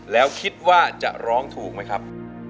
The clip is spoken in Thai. แล้วคิดว่าจะร้องถูกไหมครับ